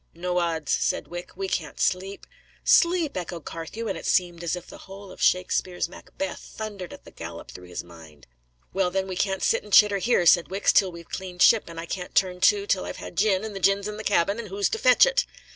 "No odds," said Wicks. "We can't sleep ..." "Sleep!" echoed Carthew; and it seemed as if the whole of Shakespeare's Macbeth thundered at the gallop through his mind. "Well, then, we can't sit and chitter here," said Wicks, "till we've cleaned ship; and I can't turn to till I've had gin, and the gin's in the cabin, and who's to fetch it?"